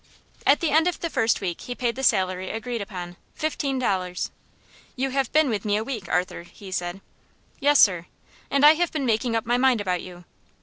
At the end of the first week he paid the salary agreed upon fifteen dollars. "You have been with me a week, Arthur," he said. "Yes, sir." "And I have been making up my mind about you."